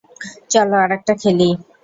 চলো, আরেকটা খেলি।